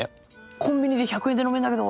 「コンビニで１００円で飲めんだけど」